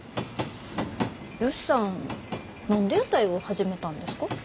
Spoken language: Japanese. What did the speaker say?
ヨシさん何で屋台を始めたんですか？